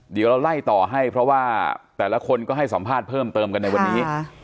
เดี๋ยวเราไล่ต่อให้เพราะว่าแต่ละคนก็ให้สัมภาษณ์เพิ่มเติมกันในวันนี้